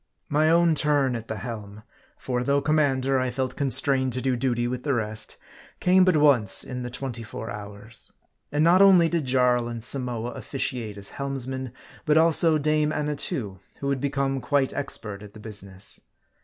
My own turn at the helm for though commander, I felt constrained to do duty with the rest came but once in the twenty four hours. And not only did Jarl and Samoa, officiate as helmsmen, but also Dame Annatoo, who had become quite expert at the business.